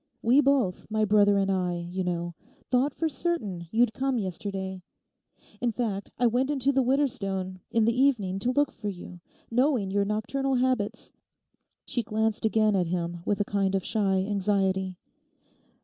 We both, my brother and I, you know, thought for certain you'd come yesterday. In fact, I went into the Widderstone in the evening to look for you, knowing your nocturnal habits....' She glanced again at him with a kind of shy anxiety.